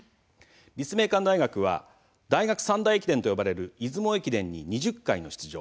立命館大学は、大学三大駅伝と呼ばれる出雲駅伝に２０回出場。